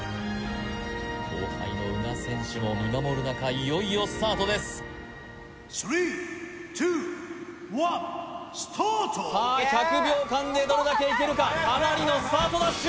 後輩の宇賀選手も見守る中いよいよスタートですさあ１００秒間でどれだけいけるかかなりのスタートダッシュ